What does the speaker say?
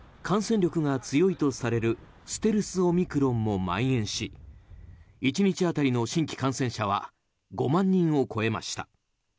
デンマークでは感染力が強いとされるステルスオミクロンもまん延し１日当たりの新規感染者は５万人を超えました。